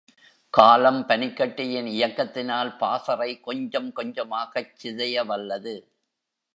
காலம் பனிக்கட்டியின் இயக்கத்தினால் பாசறை கொஞ்சம் கொஞ்சமாகச் சிதையவல்லது.